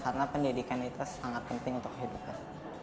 karena pendidikan itu sangat penting untuk kehidupan